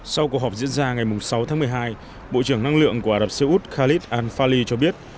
sau cuộc họp diễn ra ngày sáu tháng một mươi hai bộ trưởng năng lượng của ả rập xê út khalid al fali cho biết